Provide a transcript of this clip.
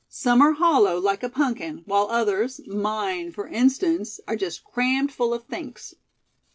Some are hollow, like a punkin; while others, mine for instance, are just crammed full of thinks."